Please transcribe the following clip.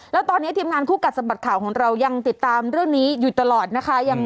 แล้วตอนนี้ทีมงานคู่กัดสะบัดข่าวของเรายังติดตามเรื่องนี้อยู่ตลอดนะคะ